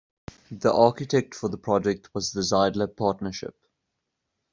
The architect for the project was the Zeidler Partnership.